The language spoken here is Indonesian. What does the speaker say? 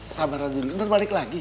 sabar aja dulu balik lagi